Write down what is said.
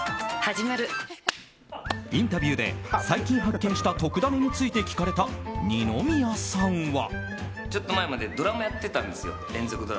インタビューで最近発見したトクダネについて聞かれた二宮さんは。